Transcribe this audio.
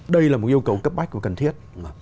đây là một yêu cầu cấp bách cần thiết